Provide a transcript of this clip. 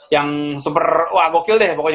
yang super wah gokil deh pokoknya